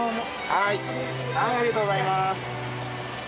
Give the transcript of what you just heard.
はいありがとうございまーす。